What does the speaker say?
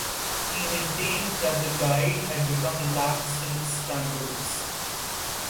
He maintained that the guide had become lax in its standards.